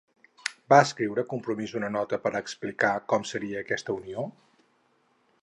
Va escriure Compromís una nota per a explicar com seria aquesta unió?